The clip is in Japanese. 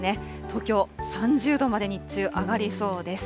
東京３０度まで日中上がりそうです。